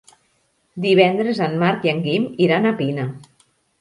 Divendres en Marc i en Guim iran a Pina.